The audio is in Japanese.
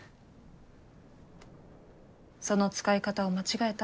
その使い方を間違えた？